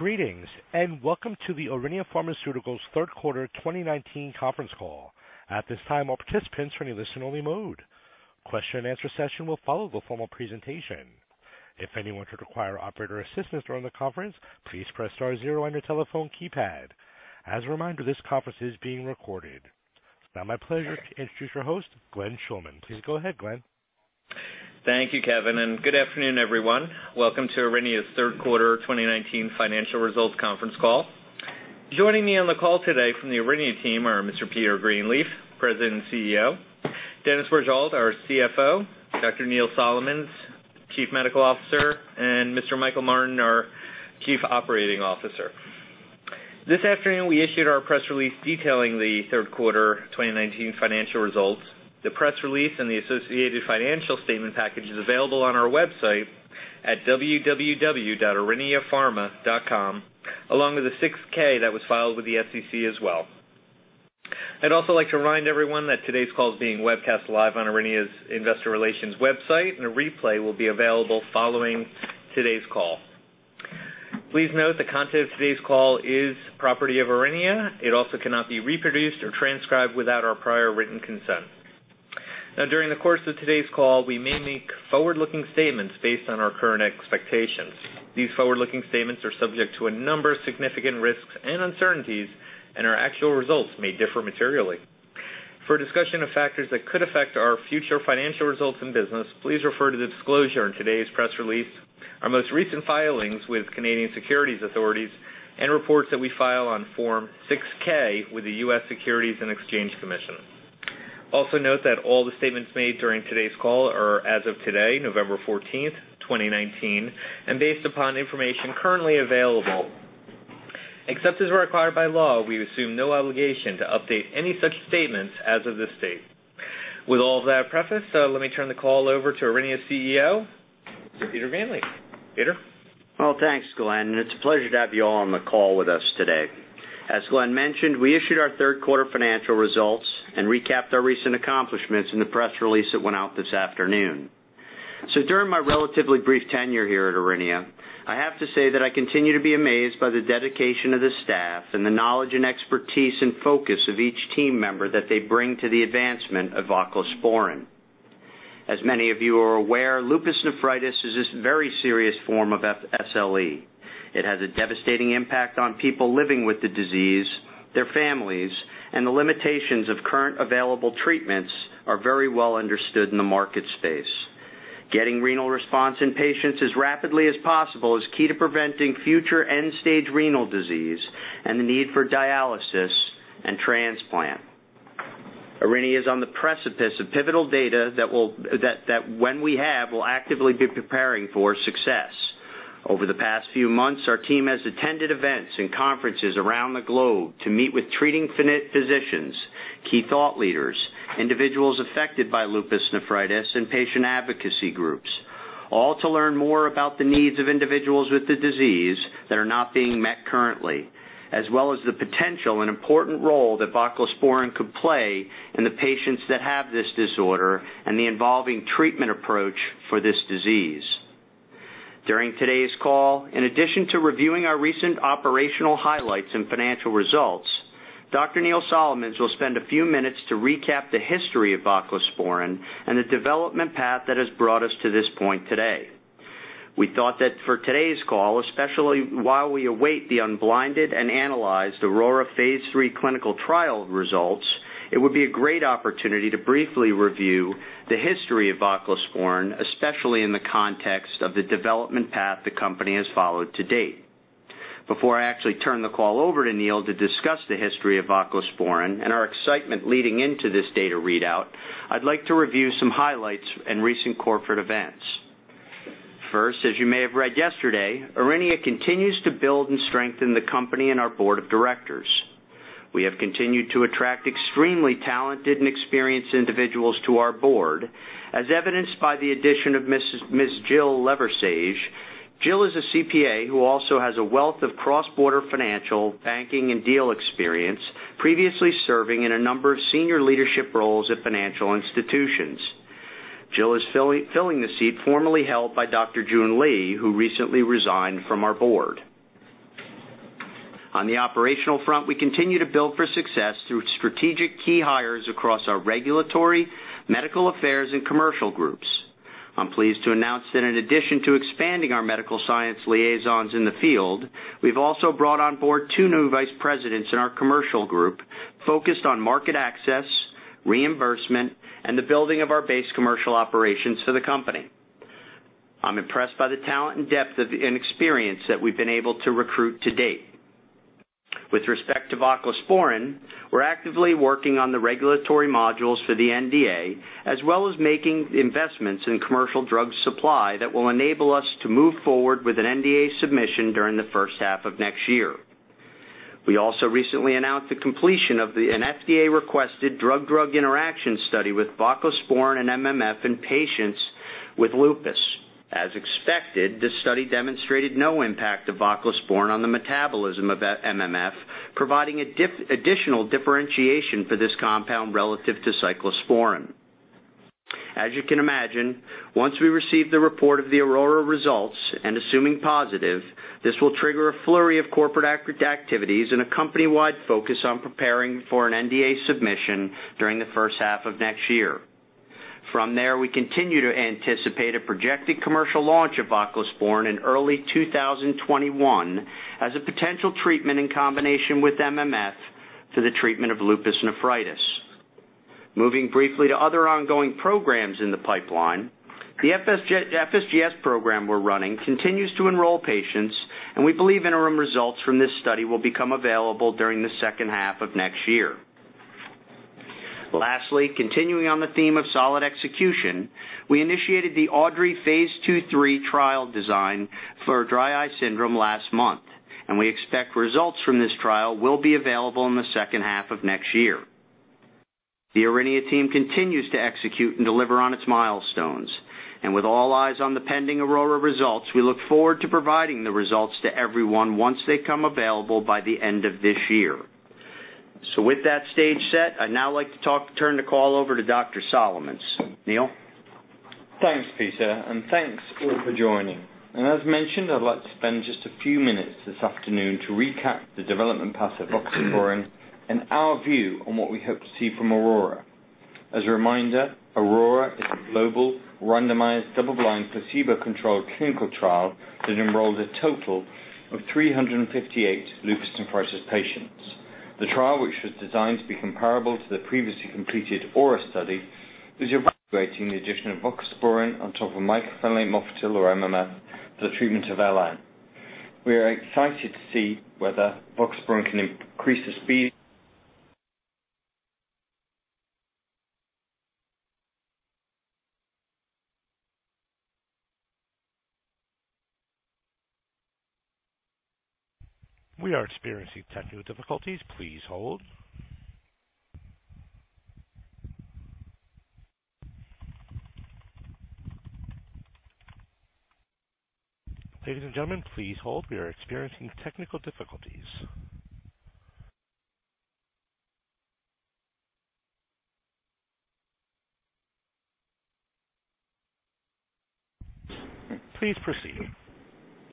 Greetings. Welcome to the Aurinia Pharmaceuticals third quarter 2019 conference call. At this time, all participants are in listen only mode. Question and answer session will follow the formal presentation. If anyone should require operator assistance during the conference, please press star zero on your telephone keypad. As a reminder, this conference is being recorded. It is now my pleasure to introduce your host, Glenn Schulman. Please go ahead, Glenn. Thank you, Kevin. Good afternoon, everyone. Welcome to Aurinia's third quarter 2019 financial results conference call. Joining me on the call today from the Aurinia team are Mr. Peter Greenleaf, President and CEO; Dennis Bourgeault, our CFO; Dr. Neil Solomons, Chief Medical Officer; and Mr. Michael Martin, our Chief Operating Officer. This afternoon we issued our press release detailing the third quarter 2019 financial results. The press release and the associated financial statement package is available on our website at www.auriniapharma.com along with a 6-K that was filed with the SEC as well. I'd also like to remind everyone that today's call is being webcast live on Aurinia's investor relations website, and a replay will be available following today's call. Please note the content of today's call is property of Aurinia. It also cannot be reproduced or transcribed without our prior written consent. During the course of today's call, we may make forward-looking statements based on our current expectations. These forward-looking statements are subject to a number of significant risks and uncertainties. Our actual results may differ materially. For a discussion of factors that could affect our future financial results and business, please refer to the disclosure in today's press release, our most recent filings with Canadian securities authorities, and reports that we file on Form 6-K with the U.S. Securities and Exchange Commission. Note that all the statements made during today's call are as of today, November 14th, 2019, and based upon information currently available. Except as required by law, we assume no obligation to update any such statements as of this date. With all of that prefaced, let me turn the call over to Aurinia's CEO, Mr. Peter Greenleaf. Peter? Well, thanks, Glenn, and it's a pleasure to have you all on the call with us today. As Glenn mentioned, we issued our third quarter financial results and recapped our recent accomplishments in the press release that went out this afternoon. During my relatively brief tenure here at Aurinia, I have to say that I continue to be amazed by the dedication of the staff and the knowledge and expertise and focus of each team member that they bring to the advancement of voclosporin. As many of you are aware, lupus nephritis is this very serious form of SLE. It has a devastating impact on people living with the disease, their families, and the limitations of current available treatments are very well understood in the market space. Getting renal response in patients as rapidly as possible is key to preventing future end-stage renal disease and the need for dialysis and transplant. Aurinia is on the precipice of pivotal data that when we have, we will actively be preparing for success. Over the past few months, our team has attended events and conferences around the globe to meet with treating physicians, key thought leaders, individuals affected by lupus nephritis, and patient advocacy groups, all to learn more about the needs of individuals with the disease that are not being met currently, as well as the potential and important role that voclosporin could play in the patients that have this disorder and the evolving treatment approach for this disease. During today's call, in addition to reviewing our recent operational highlights and financial results, Dr. Neil Solomons will spend a few minutes to recap the history of voclosporin and the development path that has brought us to this point today. We thought that for today's call, especially while we await the unblinded and analyzed AURORA phase III clinical trial results, it would be a great opportunity to briefly review the history of voclosporin, especially in the context of the development path the company has followed to date. Before I actually turn the call over to Neil to discuss the history of voclosporin and our excitement leading into this data readout, I'd like to review some highlights and recent corporate events. First, as you may have read yesterday, Aurinia continues to build and strengthen the company and our board of directors. We have continued to attract extremely talented and experienced individuals to our board, as evidenced by the addition of Ms. Jill Leversage. Jill is a CPA who also has a wealth of cross-border financial, banking, and deal experience, previously serving in a number of senior leadership roles at financial institutions. Jill is filling the seat formerly held by Dr. Joon Lee, who recently resigned from our board. On the operational front, we continue to build for success through strategic key hires across our regulatory, medical affairs, and commercial groups. I'm pleased to announce that in addition to expanding our medical science liaisons in the field, we've also brought on board two new Vice Presidents in our commercial group focused on market access, reimbursement, and the building of our base commercial operations for the company. I'm impressed by the talent and depth and experience that we've been able to recruit to date. With respect to voclosporin, we're actively working on the regulatory modules for the NDA, as well as making investments in commercial drug supply that will enable us to move forward with an NDA submission during the first half of next year. We also recently announced the completion of an FDA-requested drug-drug interaction study with voclosporin and MMF in patients with lupus. As expected, this study demonstrated no impact of voclosporin on the metabolism of MMF, providing additional differentiation for this compound relative to cyclosporine. As you can imagine, once we receive the report of the AURORA results, and assuming positive, this will trigger a flurry of corporate activities and a company-wide focus on preparing for an NDA submission during the first half of next year. From there, we continue to anticipate a projected commercial launch of voclosporin in early 2021 as a potential treatment in combination with MMF for the treatment of lupus nephritis. Moving briefly to other ongoing programs in the pipeline, the FSGS program we're running continues to enroll patients, and we believe interim results from this study will become available during the second half of next year. Lastly, continuing on the theme of solid execution, we initiated the AUDREY phase II-III trial design for dry eye syndrome last month, and we expect results from this trial will be available in the second half of next year. The Aurinia team continues to execute and deliver on its milestones, and with all eyes on the pending AURORA results, we look forward to providing the results to everyone once they come available by the end of this year. With that stage set, I'd now like to turn the call over to Dr. Neil Solomons. Neil? Thanks, Peter, thanks all for joining. As mentioned, I'd like to spend just a few minutes this afternoon to recap the development path of voclosporin and our view on what we hope to see from AURORA. As a reminder, AURORA is a global randomized double-blind placebo-controlled clinical trial that enrolled a total of 358 lupus nephritis patients. The trial, which was designed to be comparable to the previously completed AURA study, is evaluating the addition of voclosporin on top of mycophenolate mofetil, or MMF, for the treatment of LN. We are excited to see whether voclosporin can increase the speed. We are experiencing technical difficulties. Please hold. Ladies and gentlemen, please hold. We are experiencing technical difficulties. Please proceed.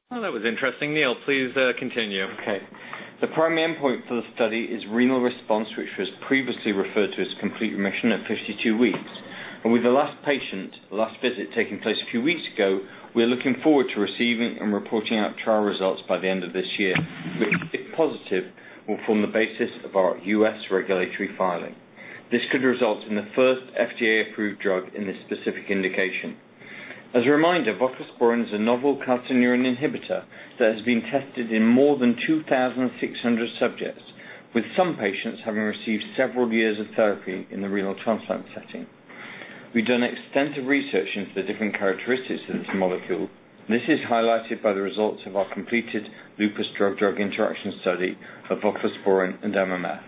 Oh, that was interesting. Neil, please continue. The primary endpoint for the study is renal response, which was previously referred to as complete remission at 52 weeks. With the last patient last visit taking place a few weeks ago, we are looking forward to receiving and reporting out trial results by the end of this year, which, if positive, will form the basis of our U.S. regulatory filing. This could result in the first FDA-approved drug in this specific indication. As a reminder, voclosporin is a novel calcineurin inhibitor that has been tested in more than 2,600 subjects, with some patients having received several years of therapy in the renal transplant setting. We've done extensive research into the different characteristics of this molecule. This is highlighted by the results of our completed lupus drug interaction study of voclosporin and MMF.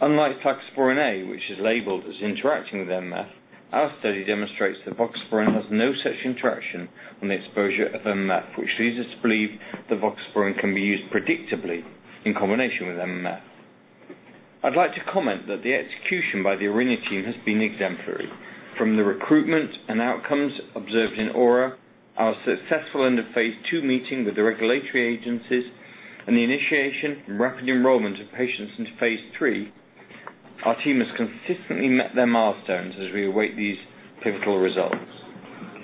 Unlike tacrolimus, which is labeled as interacting with MMF, our study demonstrates that voclosporin has no such interaction on the exposure of MMF, which leads us to believe that voclosporin can be used predictably in combination with MMF. I'd like to comment that the execution by the Aurinia team has been exemplary. From the recruitment and outcomes observed in AURA, our successful end of phase II meeting with the regulatory agencies, and the initiation and rapid enrollment of patients into phase III, our team has consistently met their milestones as we await these pivotal results.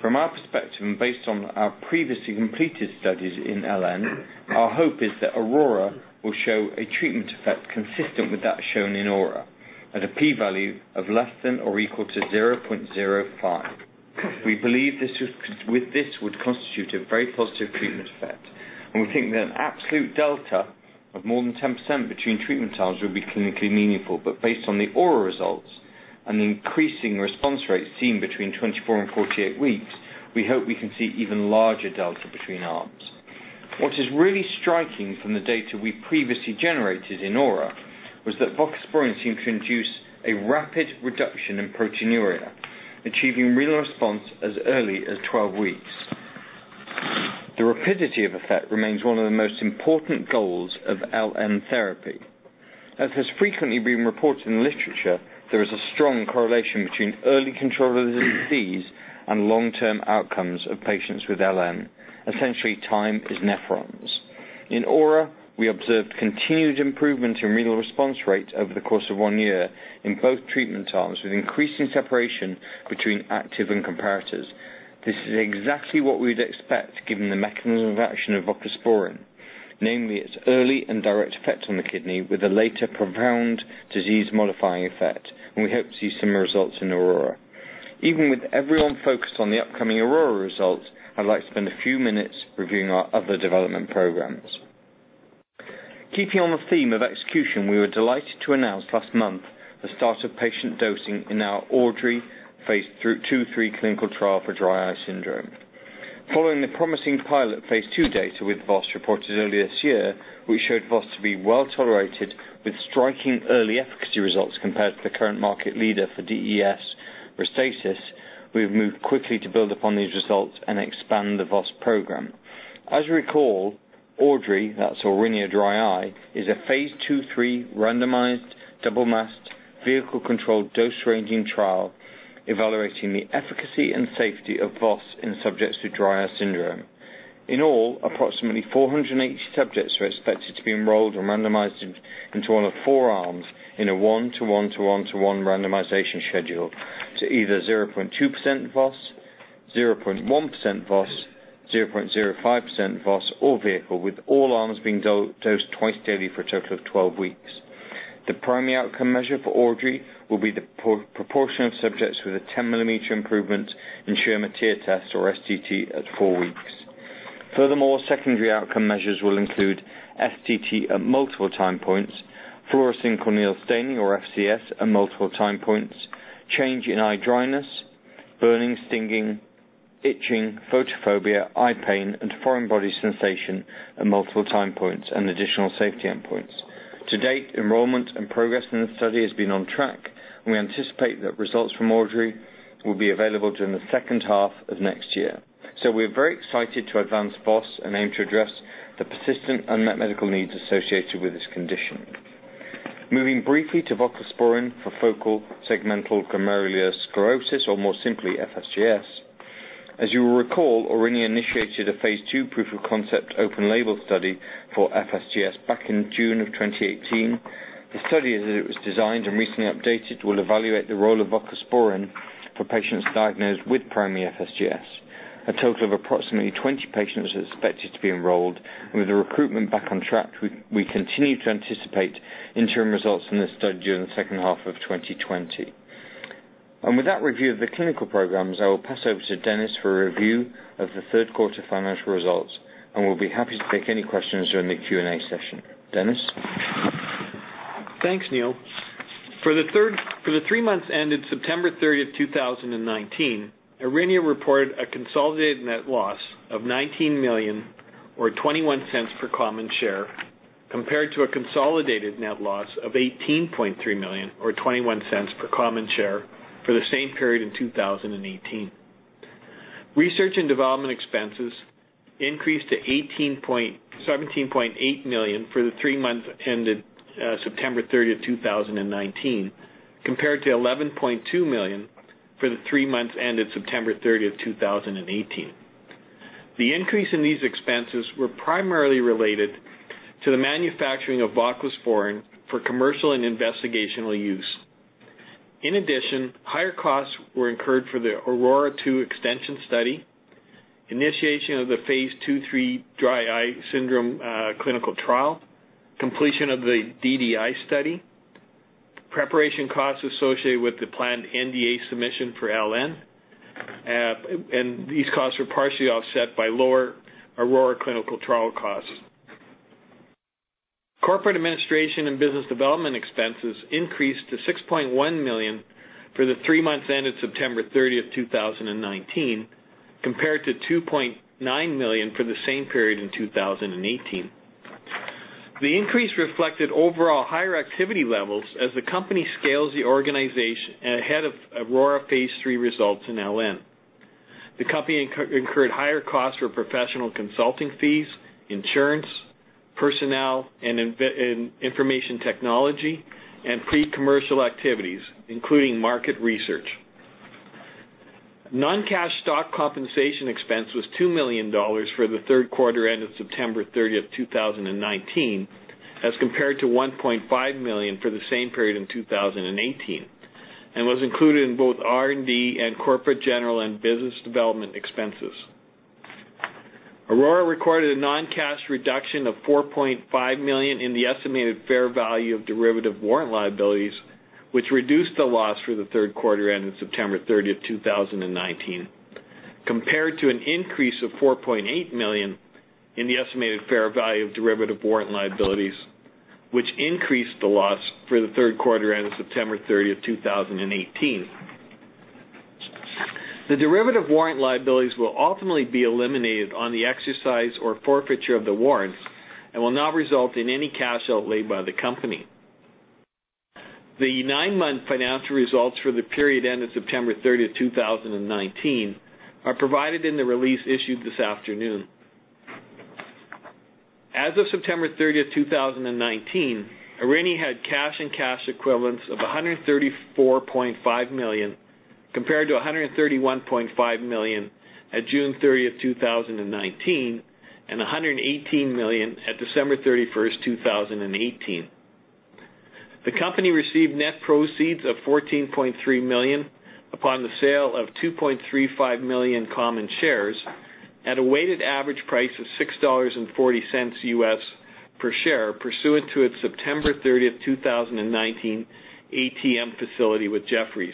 From our perspective, and based on our previously completed studies in LN, our hope is that AURORA will show a treatment effect consistent with that shown in AURA at a P value of less than or equal to 0.05. We believe this would constitute a very positive treatment effect, and we think that an absolute delta of more than 10% between treatment arms would be clinically meaningful. Based on the AURA results and the increasing response rates seen between 24 and 48 weeks, we hope we can see even larger delta between arms. What is really striking from the data we previously generated in AURA was that voclosporin seemed to induce a rapid reduction in proteinuria, achieving renal response as early as 12 weeks. The rapidity of effect remains one of the most important goals of LN therapy. As has frequently been reported in the literature, there is a strong correlation between early control of the disease and long-term outcomes of patients with LN. Essentially, time is nephrons. In AURA, we observed continued improvement in renal response rates over the course of one year in both treatment arms, with increasing separation between active and comparators. This is exactly what we'd expect given the mechanism of action of voclosporin, namely its early indirect effect on the kidney with a later profound disease-modifying effect, and we hope to see similar results in AURORA. Even with everyone focused on the upcoming AURORA results, I'd like to spend a few minutes reviewing our other development programs. Keeping on the theme of execution, we were delighted to announce last month the start of patient dosing in our AUDREY phase II-III clinical trial for dry eye syndrome. Following the promising pilot phase II data with VOS reported earlier this year, we showed VOS to be well-tolerated with striking early efficacy results compared to the current market leader for DES, RESTASIS. We've moved quickly to build upon these results and expand the VOS program. As you recall, AUDREY, that's Aurinia Dry Eye, is a phase II/III randomized, double-masked, vehicle-controlled, dose-ranging trial evaluating the efficacy and safety of VOS in subjects with dry eye syndrome. In all, approximately 480 subjects are expected to be enrolled or randomized into one of four arms in a one-to-one-to-one-to-one randomization schedule to either 0.2% VOS, 0.1% VOS, 0.05% VOS, or vehicle, with all arms being dosed twice daily for a total of 12 weeks. The primary outcome measure for AUDREY will be the proportion of subjects with a 10-millimeter improvement in Schirmer tear test, or STT, at four weeks. Furthermore, secondary outcome measures will include STT at multiple time points, fluorescein corneal staining, or FCS, at multiple time points, change in eye dryness, burning, stinging, itching, photophobia, eye pain, and foreign body sensation at multiple time points, and additional safety endpoints. To date, enrollment and progress in the study has been on track, and we anticipate that results from AUDREY will be available during the second half of next year. We are very excited to advance VOS and aim to address the persistent unmet medical needs associated with this condition. Moving briefly to voclosporin for focal segmental glomerulosclerosis, or more simply, FSGS. As you will recall, Aurinia initiated a phase II proof-of-concept open label study for FSGS back in June of 2018. The study, as it was designed and recently updated, will evaluate the role of voclosporin for patients diagnosed with primary FSGS. A total of approximately 20 patients are expected to be enrolled, with the recruitment back on track, we continue to anticipate interim results from this study during the second half of 2020. With that review of the clinical programs, I will pass over to Dennis Bourgeault for a review of the third quarter financial results, and we'll be happy to take any questions during the Q&A session. Dennis? Thanks, Neil. For the three months ended September 30, 2019, Aurinia reported a consolidated net loss of 19 million, or 0.21 per common share, compared to a consolidated net loss of 18.3 million, or 0.21 per common share, for the same period in 2018. Research and development expenses increased to 17.8 million for the three months ended September 30, 2019, compared to 11.2 million for the three months ended September 30, 2018. The increase in these expenses were primarily related to the manufacturing of voclosporin for commercial and investigational use. In addition, higher costs were incurred for the AURORA-2 extension study, initiation of the phase II/III dry eye syndrome clinical trial, completion of the DDI study, preparation costs associated with the planned NDA submission for LN, and these costs were partially offset by lower AURORA clinical trial costs. Corporate administration and business development expenses increased to 6.1 million for the three months ended September 30, 2019, compared to 2.9 million for the same period in 2018. The increase reflected overall higher activity levels as the company scales the organization ahead of AURORA phase III results in LN. The company incurred higher costs for professional consulting fees, insurance, personnel, and information technology and pre-commercial activities, including market research. Non-cash stock compensation expense was 2 million dollars for the third quarter ended September 30, 2019, as compared to 1.5 million for the same period in 2018, and was included in both R&D and corporate general and business development expenses. AURORA recorded a non-cash reduction of 4.5 million in the estimated fair value of derivative warrant liabilities, which reduced the loss for the third quarter ended September 30, 2019, compared to an increase of 4.8 million in the estimated fair value of derivative warrant liabilities, which increased the loss for the third quarter ended September 30, 2018. The derivative warrant liabilities will ultimately be eliminated on the exercise or forfeiture of the warrants and will not result in any cash outlay by the company. The nine-month financial results for the period ended September 30, 2019, are provided in the release issued this afternoon. As of September 30, 2019, Aurinia had cash and cash equivalents of 134.5 million, compared to 131.5 million at June 30, 2019, and 118 million at December 31, 2018. The company received net proceeds of $14.3 million upon the sale of 2.35 million common shares at a weighted average price of $6.40 per share pursuant to its September 30, 2019, ATM facility with Jefferies.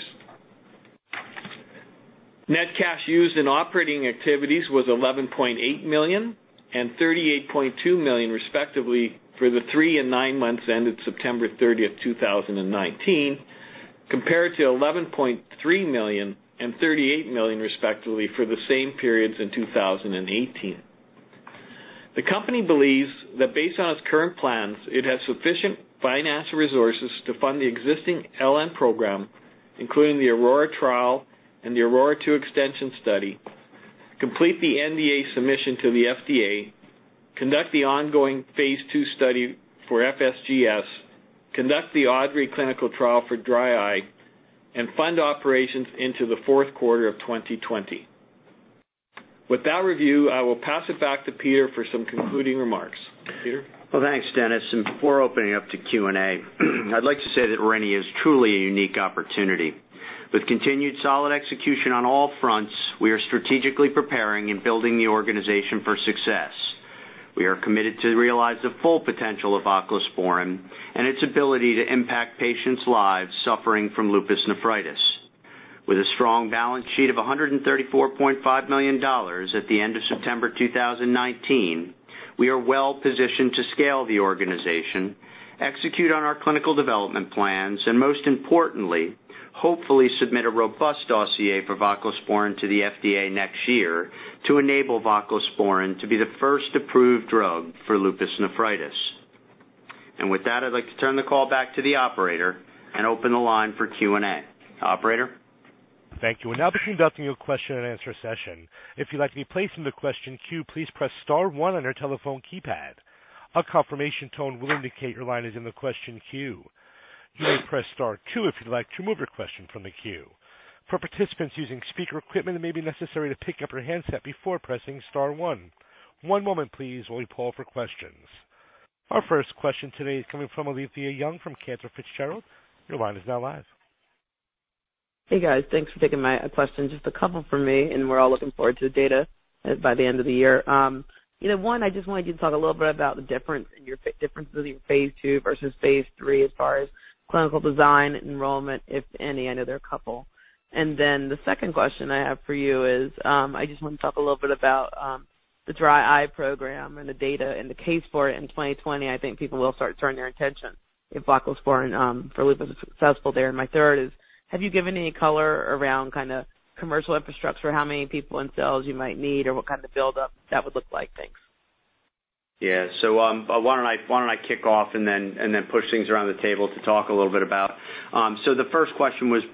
Net cash used in operating activities was $11.8 million and $38.2 million respectively for the three and nine months ended September 30, 2019, compared to $11.3 million and $38 million respectively for the same periods in 2018. The company believes that based on its current plans, it has sufficient financial resources to fund the existing LN program including the AURORA trial and the AURORA-2 extension study, complete the NDA submission to the FDA, conduct the ongoing phase II study for FSGS, conduct the AUDREY clinical trial for dry eye, and fund operations into the fourth quarter of 2020. With that review, I will pass it back to Peter for some concluding remarks. Peter? Well, thanks, Dennis. Before opening up to Q&A, I'd like to say that Aurinia is truly a unique opportunity. With continued solid execution on all fronts, we are strategically preparing and building the organization for success. We are committed to realize the full potential of voclosporin and its ability to impact patients' lives suffering from lupus nephritis. With a strong balance sheet of 134.5 million dollars at the end of September 2019, we are well positioned to scale the organization, execute on our clinical development plans, and most importantly, hopefully submit a robust dossier for voclosporin to the FDA next year to enable voclosporin to be the first approved drug for lupus nephritis. With that, I'd like to turn the call back to the operator and open the line for Q&A. Operator? Thank you. We're now conducting your question and answer session. If you'd like to be placed in the question queue, please press star one on your telephone keypad. A confirmation tone will indicate your line is in the question queue. You may press star two if you'd like to remove your question from the queue. For participants using speaker equipment, it may be necessary to pick up your handset before pressing star one. One moment please while we poll for questions. Our first question today is coming from Alethia Young from Cantor Fitzgerald. Your line is now live. Hey, guys. Thanks for taking my question. Just a couple from me. We're all looking forward to the data by the end of the year. One, I just wanted you to talk a little bit about the differences in your phase II versus phase III as far as clinical design, enrollment, if any. I know there are a couple. The second question I have for you is, I just want to talk a little bit about the dry eye program and the data and the case for it in 2020. I think people will start turning their attention if voclosporin for lupus is successful there. My third is, have you given any color around commercial infrastructure, how many people in sales you might need, or what kind of build up that would look like? Thanks. Yeah. Why don't I kick off and then push things around the table to talk a little bit about. The first question was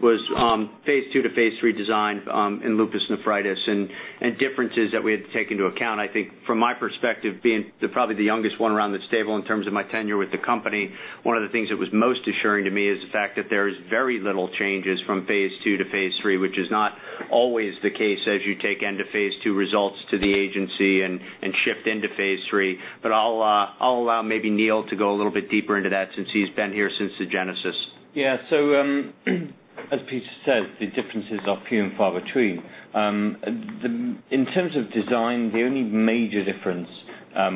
phase II to phase III design in lupus nephritis and differences that we had to take into account. I think from my perspective, being probably the youngest one around this table in terms of my tenure with the company, one of the things that was most assuring to me is the fact that there is very little changes from phase II to phase III, which is not always the case as you take end-of-phase II results to the agency and shift into phase III. I'll allow maybe Neil to go a little bit deeper into that since he's been here since the genesis. As Peter said, the differences are few and far between. In terms of design, the only major difference,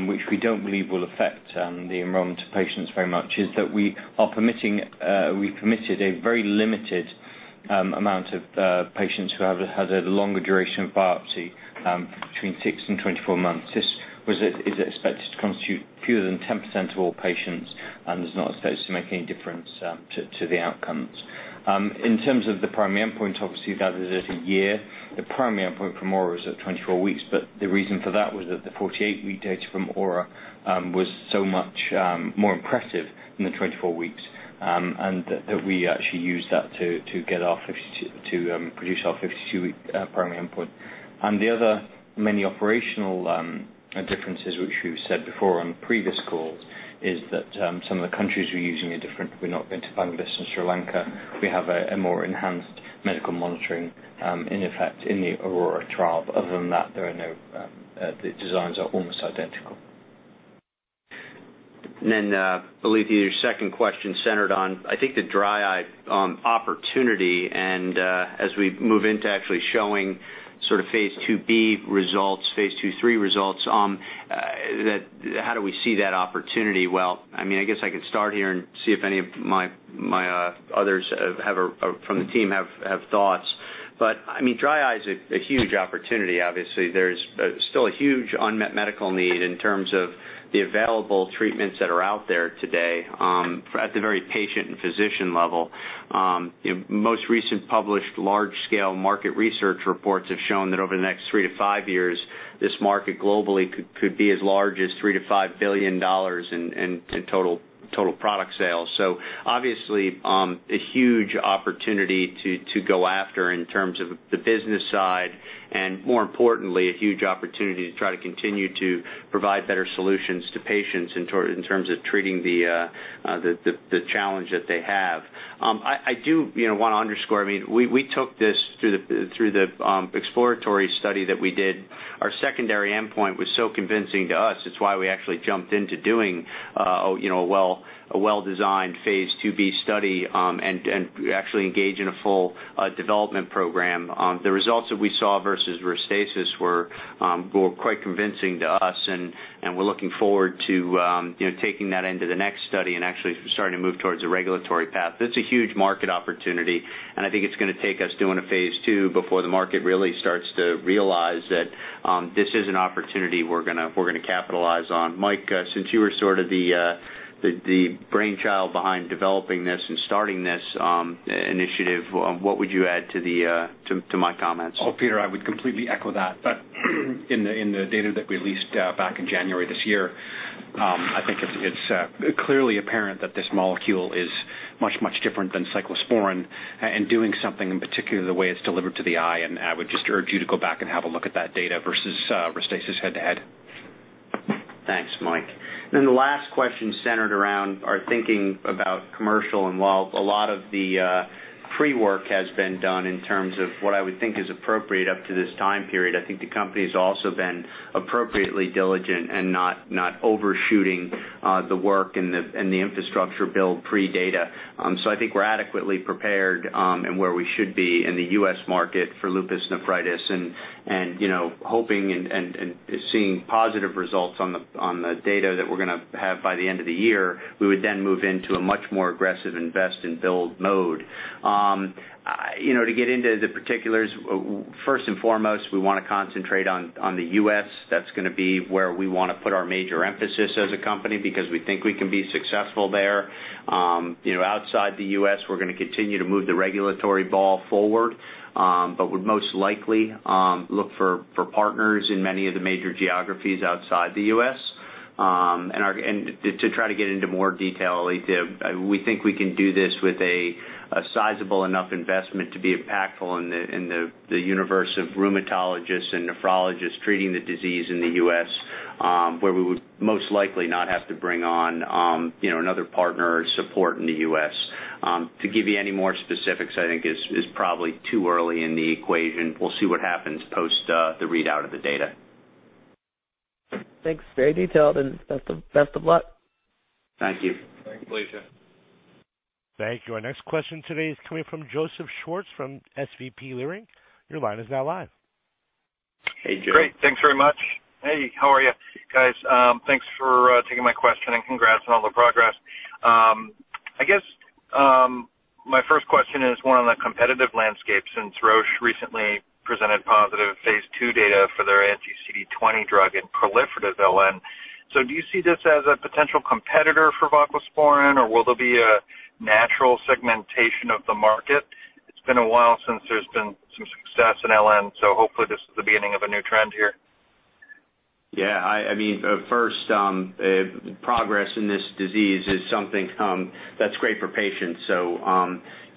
which we don't believe will affect the enrollment of patients very much, is that we permitted a very limited amount of patients who have had a longer duration of biopsy between six and 24 months. This is expected to constitute fewer than 10% of all patients and does not expect to make any difference to the outcomes. In terms of the primary endpoint, obviously, that is at a year. The primary endpoint for AURA was at 24 weeks. The reason for that was that the 48-week data from AURA was so much more impressive than the 24 weeks, and that we actually used that to produce our 52-week primary endpoint. The other many operational differences, which we've said before on previous calls, is that some of the countries we're using are different. We're not going to find this in Sri Lanka. We have a more enhanced medical monitoring, in effect, in the AURORA trial. Other than that, the designs are almost identical. Alethia, your second question centered on, I think, the dry eye opportunity, and as we move into actually showing phase II-B results, phase II/III results, how do we see that opportunity? Well, I guess I can start here and see if any of my others from the team have thoughts. Dry eye is a huge opportunity. Obviously, there's still a huge unmet medical need in terms of the available treatments that are out there today at the very patient and physician level. Most recent published large-scale market research reports have shown that over the next three to five years, this market globally could be as large as 3 billion-5 billion dollars in total product sales. Obviously, a huge opportunity to go after in terms of the business side, and more importantly, a huge opportunity to try to continue to provide better solutions to patients in terms of treating the challenge that they have. I do want to underscore, we took this through the exploratory study that we did. Our secondary endpoint was so convincing to us. It's why we actually jumped into doing a well-designed phase II-B study and actually engage in a full development program. The results that we saw versus RESTASIS were quite convincing to us, and we're looking forward to taking that into the next study and actually starting to move towards a regulatory path. It's a huge market opportunity, and I think it's going to take us doing a phase II before the market really starts to realize that this is an opportunity we're going to capitalize on. Mike, since you were sort of the brainchild behind developing this and starting this initiative, what would you add to my comments? Oh, Peter, I would completely echo that. In the data that we released back in January this year I think it's clearly apparent that this molecule is much, much different than cyclosporine and doing something in particular the way it's delivered to the eye, and I would just urge you to go back and have a look at that data versus RESTASIS head-to-head. Thanks, Mike. The last question centered around our thinking about commercial, and while a lot of the pre-work has been done in terms of what I would think is appropriate up to this time period, I think the company's also been appropriately diligent and not overshooting the work and the infrastructure build pre-data. I think we're adequately prepared and where we should be in the U.S. market for lupus nephritis and hoping and seeing positive results on the data that we're going to have by the end of the year. We would then move into a much more aggressive invest-and-build mode. To get into the particulars, first and foremost, we want to concentrate on the U.S. That's going to be where we want to put our major emphasis as a company because we think we can be successful there. Outside the U.S., we're going to continue to move the regulatory ball forward, but would most likely look for partners in many of the major geographies outside the U.S. To try to get into more detail, we think we can do this with a sizable enough investment to be impactful in the universe of rheumatologists and nephrologists treating the disease in the U.S., where we would most likely not have to bring on another partner or support in the U.S. To give you any more specifics I think is probably too early in the equation. We'll see what happens post the readout of the data. Thanks. Very detailed and best of luck. Thank you. Thanks, Alethia. Thank you. Our next question today is coming from Joseph Schwartz from SVB Leerink. Your line is now live. Hey, Joe. Great. Thanks very much. Hey, how are you guys? Thanks for taking my question and congrats on all the progress. Do you see this as a potential competitor for voclosporin, or will there be a natural segmentation of the market? Hopefully this is the beginning of a new trend here. Yeah, first progress in this disease is something that's great for patients.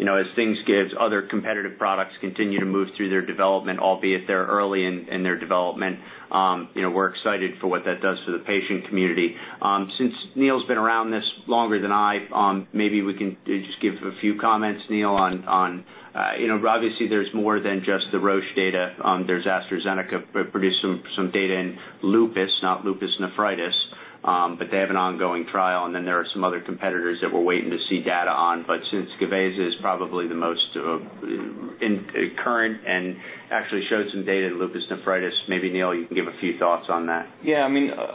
As things give, other competitive products continue to move through their development, albeit they're early in their development. We're excited for what that does for the patient community. Since Neil's been around this longer than I, maybe we can just give a few comments, Neil. Obviously there's more than just the Roche data. There's AstraZeneca produced some data in lupus, not lupus nephritis. They have an ongoing trial, and then there are some other competitors that we're waiting to see data on. Since Gazyva probably the most current and actually showed some data in lupus nephritis, maybe Neil, you can give a few thoughts on that.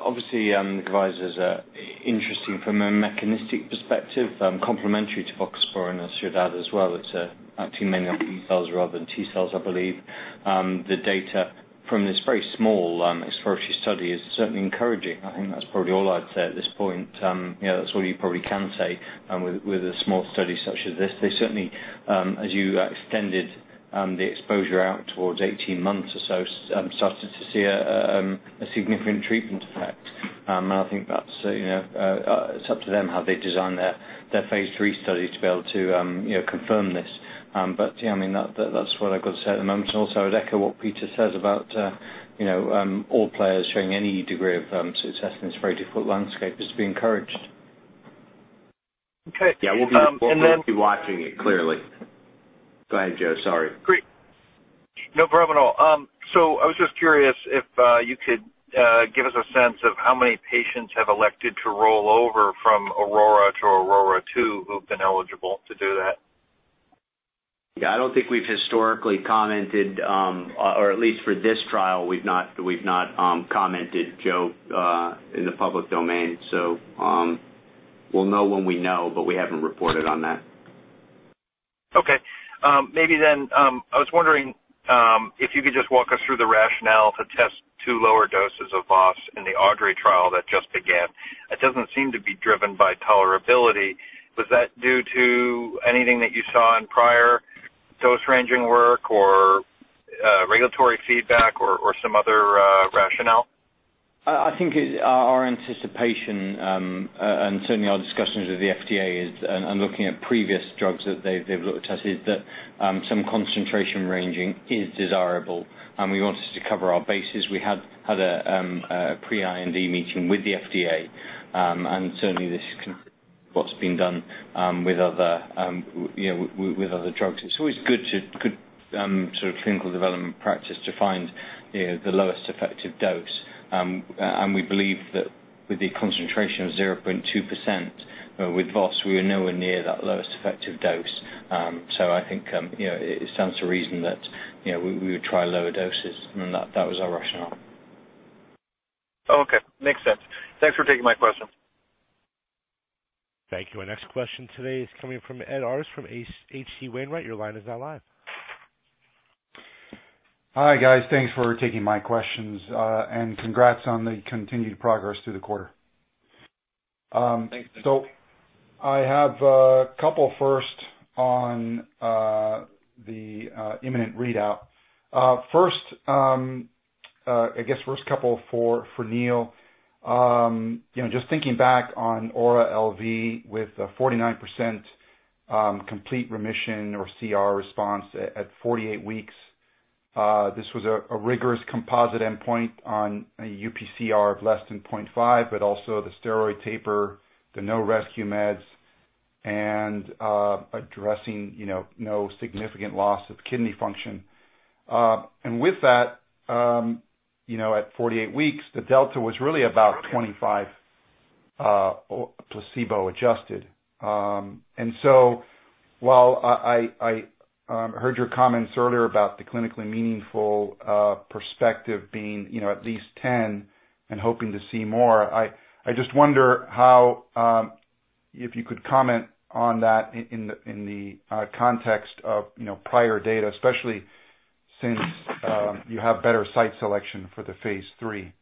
Obviously, Gazyva interesting from a mechanistic perspective, complementary to voclosporin, I should add as well. It's actually mainly on B cells rather than T cells, I believe. The data from this very small exploratory study is certainly encouraging. I think that's probably all I'd say at this point. That's all you probably can say with a small study such as this. They certainly, as you extended the exposure out towards 18 months or so, started to see a significant treatment effect. I think that's up to them how they design their phase III study to be able to confirm this. That's what I've got to say at the moment. Also, I'd echo what Peter says about all players showing any degree of success in this very difficult landscape is to be encouraged. Okay. We'll be watching it, clearly. Go ahead, Joe. Sorry. Great. No problem at all. I was just curious if you could give us a sense of how many patients have elected to roll over from AURORA to AURORA-2 who've been eligible to do that? Yeah, I don't think we've historically commented, or at least for this trial, we've not commented, Joe, in the public domain. We'll know when we know, but we haven't reported on that. Okay. Maybe I was wondering if you could just walk us through the rationale to test two lower doses of VOS in the AUDREY trial that just began. It doesn't seem to be driven by tolerability. Was that due to anything that you saw in prior dose-ranging work or regulatory feedback or some other rationale? I think our anticipation, and certainly our discussions with the FDA is, and looking at previous drugs that they've looked at, is that some concentration ranging is desirable, and we wanted to cover our bases. We had a pre-IND meeting with the FDA, and certainly this is what's been done with other drugs. It's always good sort of clinical development practice to find the lowest effective dose. We believe that with the concentration of 0.2% with VOS, we are nowhere near that lowest effective dose. I think it stands to reason that we would try lower doses, and that was our rationale. Okay. Makes sense. Thanks for taking my question. Thank you. Our next question today is coming from Ed Arce from H.C. Wainwright. Your line is now live. Hi guys. Thanks for taking my questions, and congrats on the continued progress through the quarter. Thanks. I have a couple first on the imminent readout. Couple for Neil. Thinking back on AURA-LV with a 49% complete remission or CR response at 48 weeks. This was a rigorous composite endpoint on a uPCR of less than 0.5, but also the steroid taper, the no rescue meds, and addressing no significant loss of kidney function. With that, at 48 weeks, the delta was really about 25 placebo-adjusted. While I heard your comments earlier about the clinically meaningful perspective being at least 10 and hoping to see more, I just wonder if you could comment on that in the context of prior data, especially since you have better site selection for the phase III.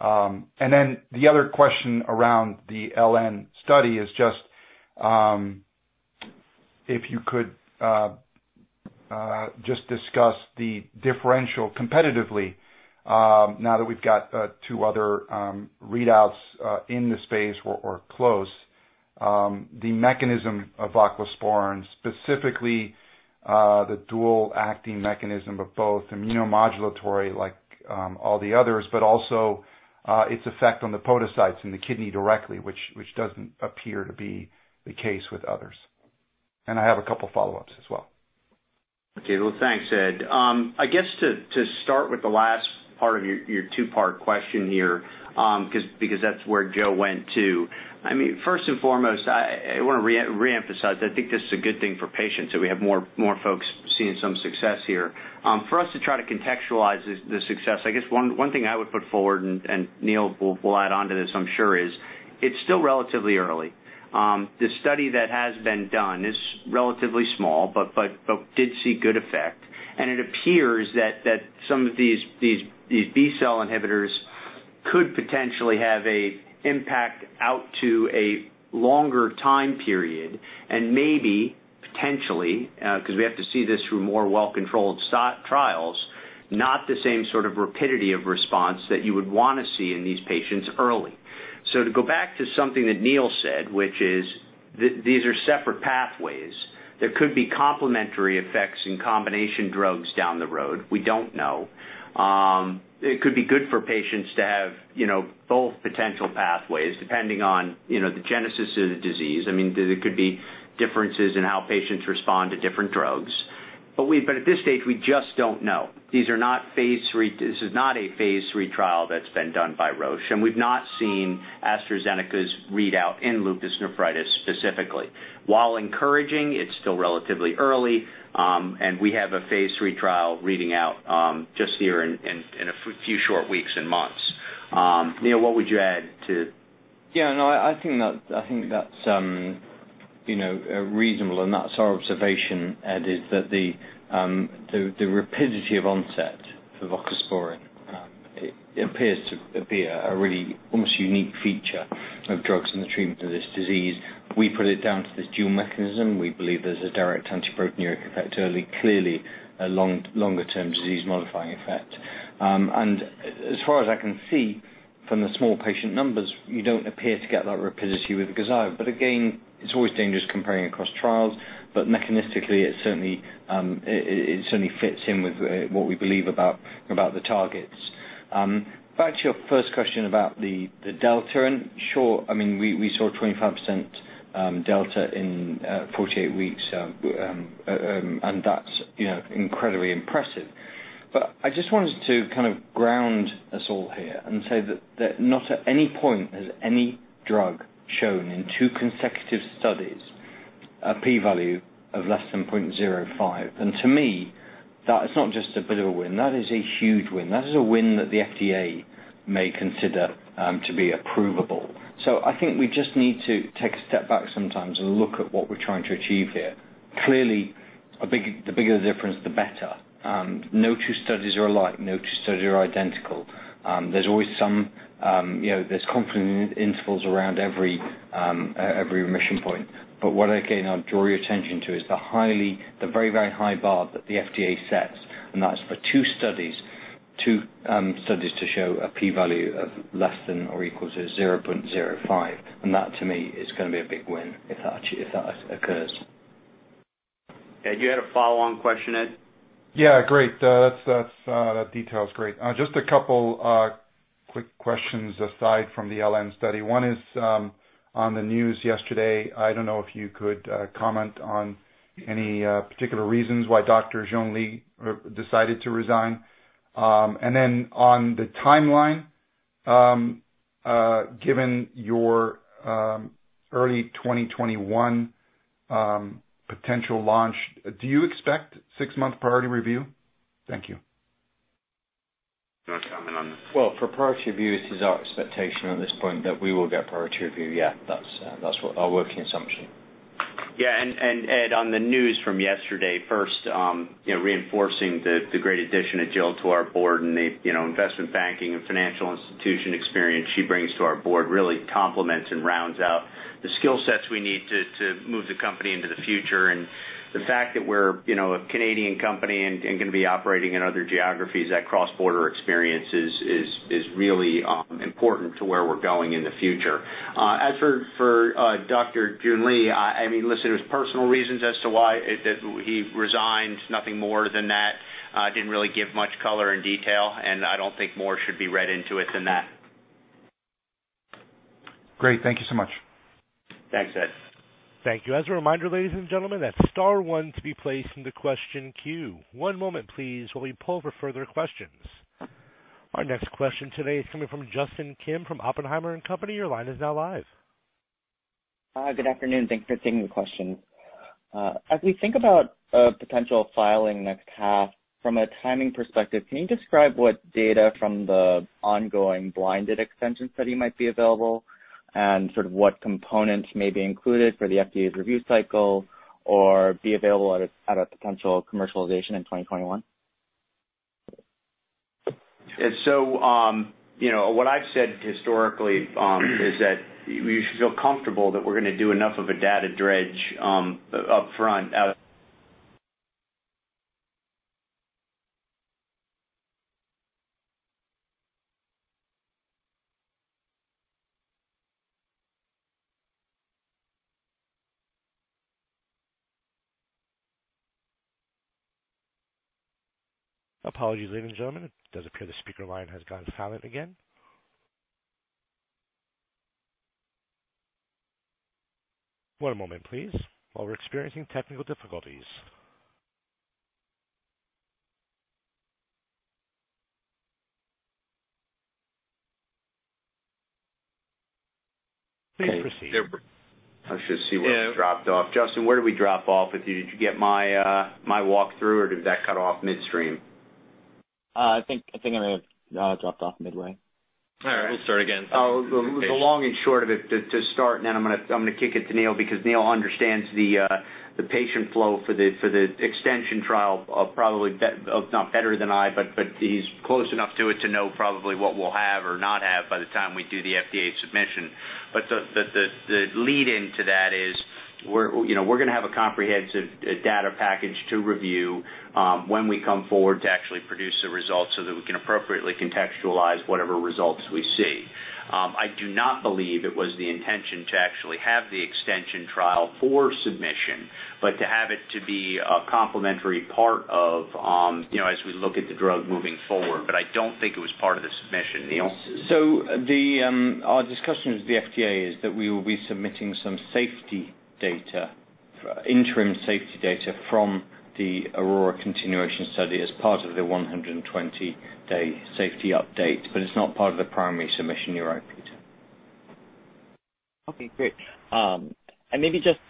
The other question around the LN study is just if you could just discuss the differential competitively now that we've got two other readouts in the space or close, the mechanism of voclosporin, specifically the dual-acting mechanism of both immunomodulatory like all the others, but also its effect on the podocytes in the kidney directly, which doesn't appear to be the case with others. I have a couple of follow-ups as well. Okay. Well, thanks, Ed. I guess to start with the last part of your two-part question here, because that's where Joe went too. First and foremost, I want to re-emphasize, I think this is a good thing for patients, that we have more folks seeing some success here. For us to try to contextualize the success, I guess one thing I would put forward, and Neil will add on to this, I'm sure, is it's still relatively early. The study that has been done is relatively small, but did see good effect. It appears that some of these B-cell inhibitors could potentially have a impact out to a longer time period and maybe potentially, because we have to see this through more well-controlled study trials, not the same sort of rapidity of response that you would want to see in these patients early. To go back to something that Neil said, which is these are separate pathways. There could be complementary effects in combination drugs down the road. We don't know. It could be good for patients to have both potential pathways, depending on the genesis of the disease. There could be differences in how patients respond to different drugs. At this stage, we just don't know. This is not a phase III trial that's been done by Roche, and we've not seen AstraZeneca's readout in lupus nephritis specifically. While encouraging, it's still relatively early, and we have a phase III trial reading out just here in a few short weeks and months. Neil, what would you add to Yeah, no, I think that's reasonable, and that's our observation, Ed, is that the rapidity of onset for voclosporin appears to be a really almost unique feature of drugs in the treatment of this disease. We put it down to this dual mechanism. We believe there's a direct anti-proteinuric effect early, clearly a longer-term disease-modifying effect. As far as I can see from the small patient numbers, you don't appear to get that rapidity with Gazyva. Again, it's always dangerous comparing across trials, but mechanistically, it certainly fits in with what we believe about the targets. Sure, we saw a 25% delta in 48 weeks, and that's incredibly impressive. I just wanted to ground us all here and say that not at any point has any drug shown in two consecutive studies a P value of less than 0.05. To me, that is not just a bit of a win. That is a huge win. That is a win that the FDA may consider to be approvable. I think we just need to take a step back sometimes and look at what we're trying to achieve here. Clearly, the bigger the difference, the better. No two studies are alike. No two studies are identical. There's always confidence intervals around every remission point. What I, again, draw your attention to is the very, very high bar that the FDA sets, and that's for two studies to show a P value of less than or equal to 0.05. That, to me, is going to be a big win if that occurs. Ed, you had a follow-on question, Ed? Yeah, great. That detail's great. Just a couple quick questions aside from the LN study. One is on the news yesterday. I don't know if you could comment on any particular reasons why Dr. Joon Lee decided to resign. On the timeline, given your early 2021 potential launch, do you expect six-month priority review? Thank you. Do you want to comment on this? Well, for priority review, it is our expectation at this point that we will get priority review, yeah. That's our working assumption. Yeah, Ed, on the news from yesterday, first, reinforcing the great addition of Jill to our board and the investment banking and financial institution experience she brings to our board really complements and rounds out the skill sets we need to move the company into the future. The fact that we're a Canadian company and going to be operating in other geographies, that cross-border experience is really important to where we're going in the future. As for Dr. Joon Lee, listen, it was personal reasons as to why he resigned. Nothing more than that. Didn't really give much color and detail. I don't think more should be read into it than that. Great. Thank you so much. Thanks, Ed. Thank you. As a reminder, ladies and gentlemen, that's star one to be placed into question queue. One moment, please, while we poll for further questions. Our next question today is coming from Justin Kim from Oppenheimer and Company. Your line is now live. Hi, good afternoon. Thanks for taking the question. As we think about a potential filing next half, from a timing perspective, can you describe what data from the ongoing blinded extension study might be available and sort of what components may be included for the FDA's review cycle or be available at a potential commercialization in 2021? What I've said historically is that you should feel comfortable that we're going to do enough of a data dredge up front. Apologies, ladies and gentlemen. It does appear the speaker line has gone silent again. One moment, please, while we are experiencing technical difficulties. Please proceed. I should see where I dropped off. Justin, where did we drop off with you? Did you get my walk-through, or did that cut off midstream? I think I may have dropped off midway. All right. We'll start again. The long and short of it to start. Then I'm going to kick it to Neil because Neil understands the patient flow for the extension trial probably, if not better than I, but he's close enough to it to know probably what we'll have or not have by the time we do the FDA submission. The lead-in to that is we're going to have a comprehensive data package to review when we come forward to actually produce the results so that we can appropriately contextualize whatever results we see. I do not believe it was the intention to actually have the extension trial for submission, but to have it to be a complementary part of as we look at the drug moving forward. I don't think it was part of the submission. Neil? Our discussion with the FDA is that we will be submitting some interim safety data from the AURORA continuation study as part of the 120-day safety update, but it's not part of the primary submission. You're right, Peter. Okay, great. Maybe just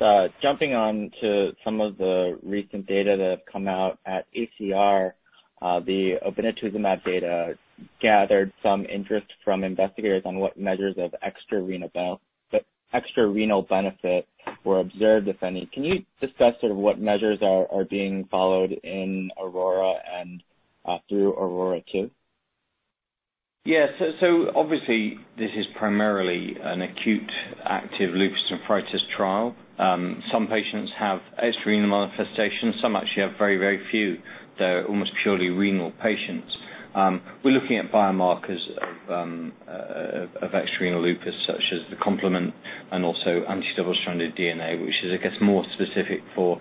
jumping on to some of the recent data that have come out at ACR, the obinutuzumab data gathered some interest from investigators on what measures of extra renal benefit were observed, if any. Can you discuss sort of what measures are being followed in AURORA and through AURORA-2? Yeah. Obviously, this is primarily an acute active lupus nephritis trial. Some patients have extrarenal manifestations. Some actually have very few. They're almost purely renal patients. We're looking at biomarkers of extrarenal lupus, such as the complement and also anti-double stranded DNA, which is, I guess, more specific for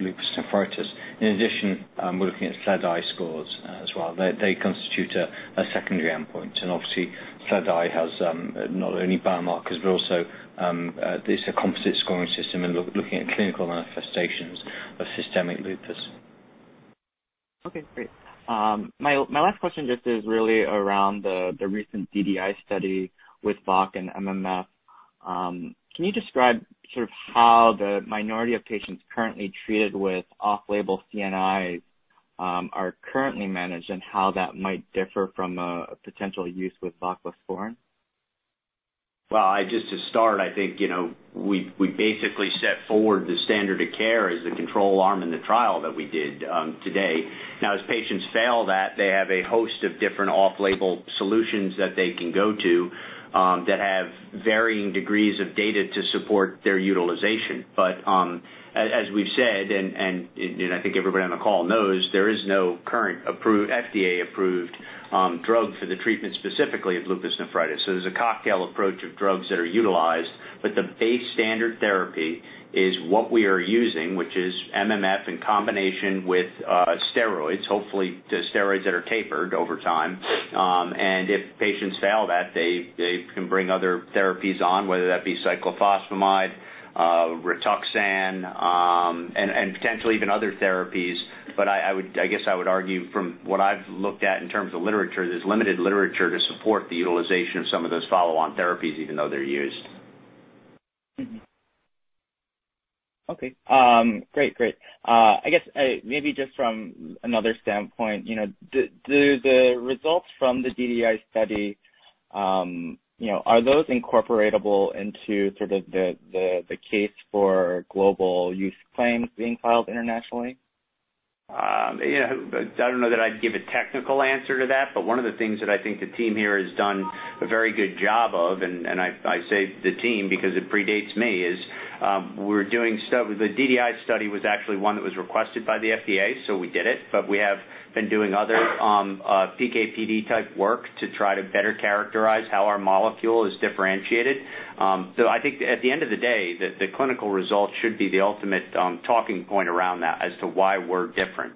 lupus nephritis. In addition, we're looking at SLEDAI scores as well. They constitute a secondary endpoint, and obviously SLEDAI has not only biomarkers, but also it's a composite scoring system and looking at clinical manifestations of systemic lupus. Okay, great. My last question just is really around the recent DDI study with voc and MMF. Can you describe how the minority of patients currently treated with off-label CNIs are currently managed and how that might differ from a potential use with voclosporin? Just to start, I think, we basically set forward the standard of care as the control arm in the trial that we did today. As patients fail that, they have a host of different off-label solutions that they can go to that have varying degrees of data to support their utilization. As we've said, and I think everybody on the call knows, there is no current FDA-approved drug for the treatment specifically of lupus nephritis. There's a cocktail approach of drugs that are utilized, but the base standard therapy is what we are using, which is MMF in combination with steroids, hopefully the steroids that are tapered over time. If patients fail that, they can bring other therapies on, whether that be cyclophosphamide, Rituxan, and potentially even other therapies. I guess I would argue from what I've looked at in terms of literature, there's limited literature to support the utilization of some of those follow-on therapies, even though they're used. Mm-hmm. Okay. Great. I guess maybe just from another standpoint, do the results from the DDI study, are those incorporatable into sort of the case for global use claims being filed internationally? I don't know that I'd give a technical answer to that. One of the things that I think the team here has done a very good job of, and I say the team because it predates me, is the DDI study was actually one that was requested by the FDA, so we did it, but we have been doing other PK/PD type work to try to better characterize how our molecule is differentiated. I think at the end of the day, the clinical results should be the ultimate talking point around that as to why we're different.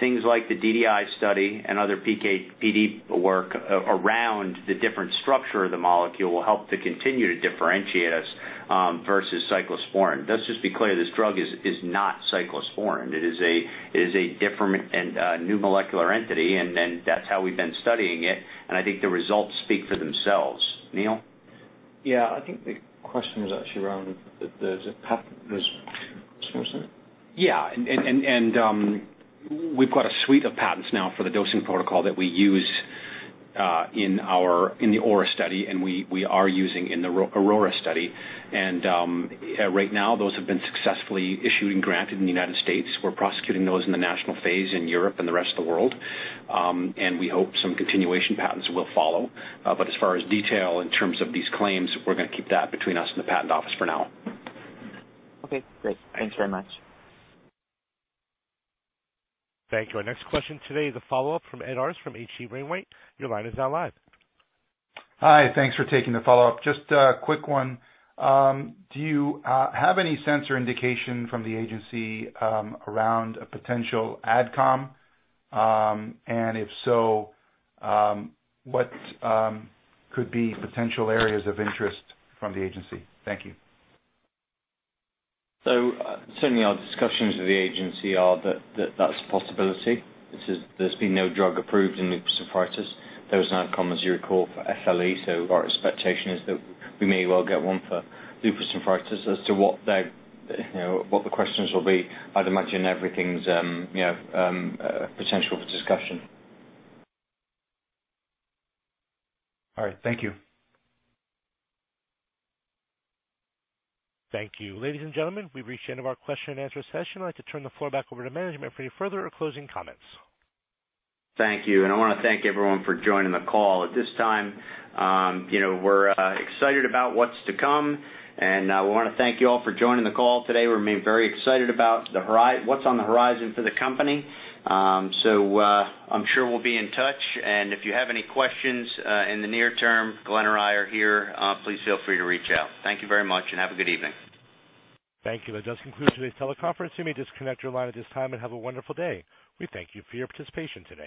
Things like the DDI study and other PK/PD work around the different structure of the molecule will help to continue to differentiate us versus cyclosporine. Let's just be clear, this drug is not cyclosporine. It is a different and new molecular entity, and then that's how we've been studying it, and I think the results speak for themselves. Neil? Yeah. I think the question was actually around the patent. Is that what you were saying? Yeah. We've got a suite of patents now for the dosing protocol that we use in the AURA study, and we are using in the AURORA study. Right now, those have been successfully issued and granted in the United States. We're prosecuting those in the national phase in Europe and the rest of the world. We hope some continuation patents will follow. As far as detail in terms of these claims, we're going to keep that between us and the patent office for now. Okay, great. Thanks very much. Thank you. Our next question today is a follow-up from Ed Arce from H.C. Wainwright. Your line is now live. Hi, thanks for taking the follow-up. Just a quick one. Do you have any sense or indication from the agency around a potential AdCom? If so, what could be potential areas of interest from the agency? Thank you. Certainly our discussions with the agency are that that's a possibility. There's been no drug approved in lupus nephritis. There was an AdCom, as you recall, for SLE. Our expectation is that we may well get one for lupus nephritis. As to what the questions will be, I'd imagine everything's potential for discussion. All right. Thank you. Thank you. Ladies and gentlemen, we've reached the end of our question and answer session. I'd like to turn the floor back over to management for any further or closing comments. Thank you. I want to thank everyone for joining the call. At this time, we're excited about what's to come, and we want to thank you all for joining the call today. We're very excited about what's on the horizon for the company. I'm sure we'll be in touch, and if you have any questions in the near term, Glenn or I are here. Please feel free to reach out. Thank you very much and have a good evening. Thank you. That does conclude today's teleconference. You may disconnect your line at this time and have a wonderful day. We thank you for your participation today.